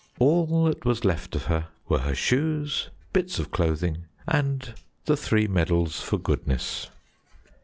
All that was left of her were her shoes, bits of clothing, and the three medals for goodness."